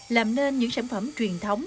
làm nên những sản phẩm truyền thống